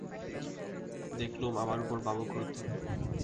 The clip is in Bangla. দেখলুম আমার উপর বাবু ক্রুদ্ধ।